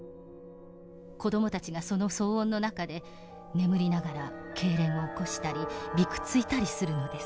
子どもたちがその騒音の中で眠りながらけいれんを起こしたりびくついたりするのです」。